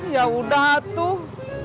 ya udah tuh